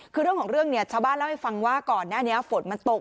คือเรื่องของเรื่องเนี่ยชาวบ้านเล่าให้ฟังว่าก่อนหน้านี้ฝนมันตก